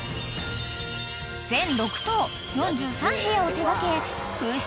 ［全６棟４３部屋を手掛け空室